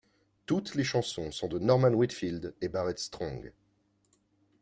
Toutes les chansons sont de Norman Whitfield et Barrett Strong.